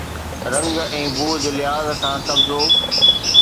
رنگ ۽ بو جي لحاظ کان قبضو